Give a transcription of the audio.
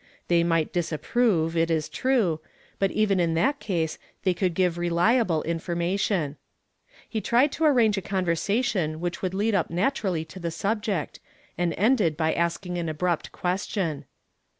They might disapprove, it is true; V. Hi 142 YESTERDAY FRAMED IN TO DAY. but even in that case they could give reliable niforniation. He tried to arrange a convei sation whicli would lead up naturally to the subject, and ended by asking an abrupt question.